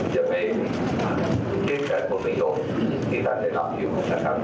จะไม่คิดแค่คนพิโยคที่ท่านจะรับอยู่นะครับ